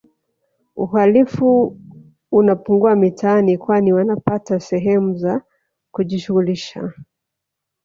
Uhalifu unapungua mitaani kwani wanapata sehemu za kujishughulisha